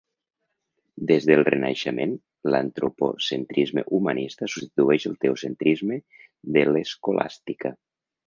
Des del Renaixement, l'antropocentrisme humanista substitueix el teocentrisme de l'escolàstica.